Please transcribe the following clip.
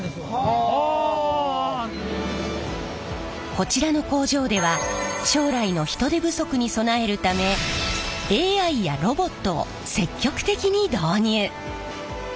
こちらの工場では将来の人手不足に備えるためＡＩやロボットを積極的に導入！